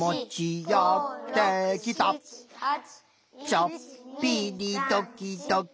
「ちょっぴりどきどき」